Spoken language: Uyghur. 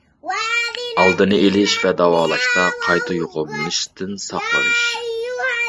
ئالدىنى ئېلىش ۋە داۋالاشتا، قايتا يۇقۇملىنىشتىن ساقلىنىش.